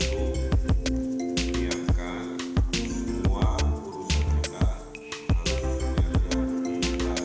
satu biarkan semua perusahaan kita manusia kita kita ada